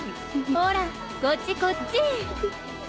ほらこっちこっち。